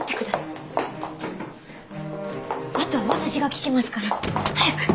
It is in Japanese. あとは私が聞きますから。早く！